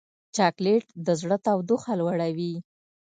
چاکلېټ د زړه تودوخه لوړوي.